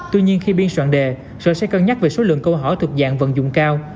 tuy nhiên khi biên soạn đề sở sẽ cân nhắc về số lượng câu hỏi thực dạng vận dụng cao